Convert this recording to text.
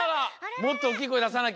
もっとおっきいこえださなきゃ。